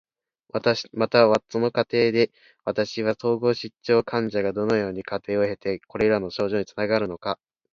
また、その過程で私は、統合失調症患者がどのような過程を経てこれらの症状につながるのか、そしてそれがどのように進行していくのかを学ぶ機会にも恵まれました。